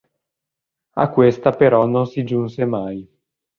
A questa però non si giunse mai.